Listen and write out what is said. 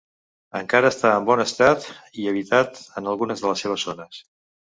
Encara està en bon estat i habitat en algunes de les seves zones.